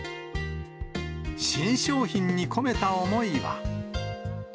新商品に込めた思いは。